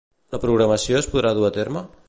La programació es podrà dur a terme?